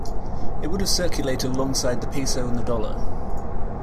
It would have circulated alongside the peso and the dollar.